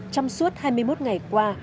trong suốt hai mươi một ngày qua